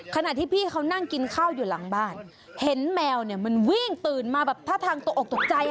ขณะที่พี่เขานั่งกินข้าวอยู่หลังบ้านเห็นแมวเนี่ยมันวิ่งตื่นมาแบบท่าทางตกออกตกใจ